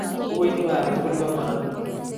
Bukuit ng'wang' tugul ko Quran